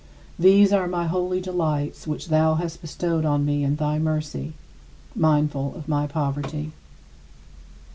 These are my holy delights, which thou hast bestowed on me in thy mercy, mindful of my poverty.